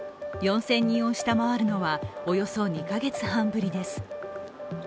４０００人を下回るのはおよそ２か月半ぶりです。